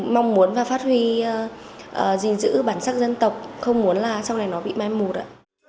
mong muốn và phát huy gìn giữ bản sắc dân tộc không muốn là sau này nó bị mai một ạ